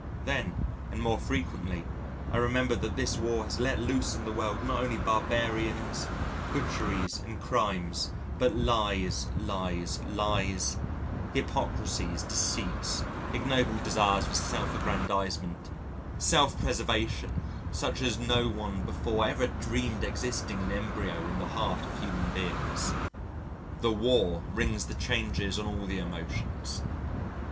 Then and more frequently I remember that this War has let loose on the world not only barbarities, butcheries and crimes, but lies, lies, lies hypocrisies, deceits, ignoble desires for self aggrandizement, self preservation such as no one before ever dreamed existed in embryo in the heart of human beings. The War rings the changes on all the emotions.